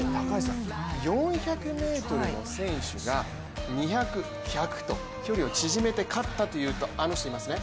４００ｍの選手が２００、１００と距離を縮めて勝ったというと、あの人がいますね。